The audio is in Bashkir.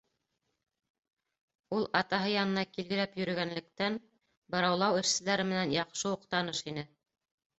Ул, атаһы янына килгеләп йөрөгәнлектән, быраулау эшселәре менән яҡшы уҡ таныш ине.